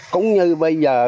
cũng như bây giờ